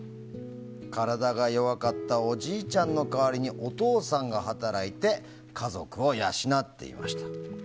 体が弱かったおじいちゃんの代わりにお父さんが働いて家族を養っていました。